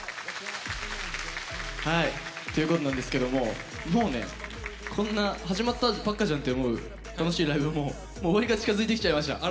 ということなんですけどももうねこんな始まったばっかじゃんって思う楽しいライブも終わりが近づいてきちゃいました。